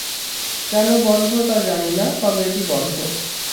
কেন বন্ধ তা জানি না, তবে এটি বন্ধ।